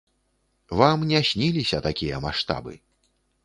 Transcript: Вам не сніліся такія маштабы.